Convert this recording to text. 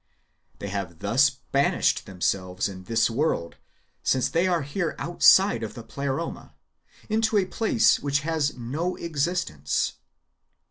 They have thus banished themselves in this world (since they are here outside of the Pleroma) into a place which has no existence.